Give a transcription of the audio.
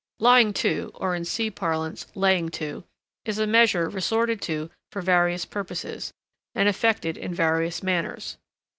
Lying to, or, in sea parlance, "laying to," is a measure resorted to for various purposes, and effected in various manners.